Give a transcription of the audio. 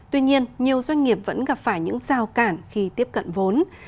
tuy nhiên nhiều doanh nghiệp vẫn gặp phải những giao cản khi tiếp cận vốn